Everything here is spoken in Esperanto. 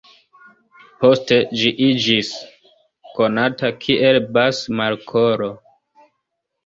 Poste ĝi iĝis konata kiel Bass-Markolo.